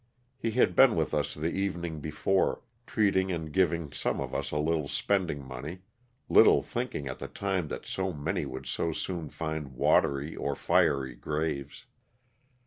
He had been with us the evening before, treating and giving some of us a little spending money, little thinking at the time that so many would so soon find watery or fiery graves.